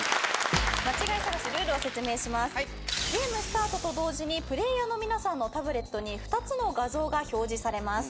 ゲームスタートと同時にプレーヤーの皆さんのタブレットに２つの画像が表示されます。